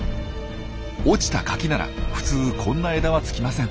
落ちたカキなら普通こんな枝はつきません。